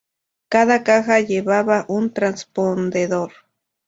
Cada caja llevaba un transpondedor.